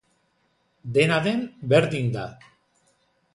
Dena den, berdin da.